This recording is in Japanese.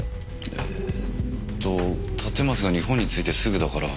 えーと立松が日本に着いてすぐだから。